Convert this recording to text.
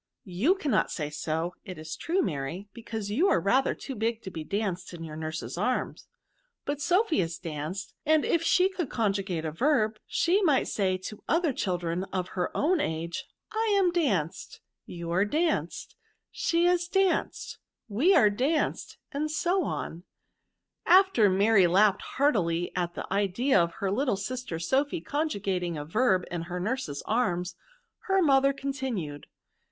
" You cannot say so^ it is true, Maxy ; be cause you are rathex too big to be danced in your nurse's arms i but Sophy is danced, and if she could conjugate a verb,, she might say to other children of her own age, I am danced, you are danced, she is danced^ we are danced, and so oil" After Mary had laughed heartily at the idea of her little sister Sophy canjugatiiig a verb in her nurse's axms, her mother con tinued.